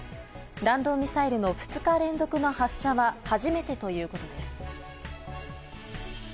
弾道ミサイルの２日連続の発射は初めてということです。